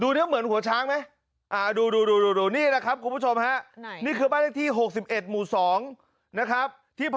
ให้ทำอีกคำนี้